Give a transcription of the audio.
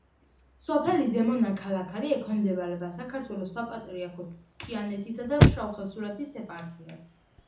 სოფელი ზემო ნაქალაქარი ექვემდებარება საქართველოს საპატრიარქოს თიანეთისა და ფშავ-ხევსურეთის ეპარქიას.